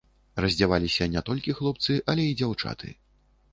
Раздзяваліся не толькі хлопцы, але і дзяўчаты.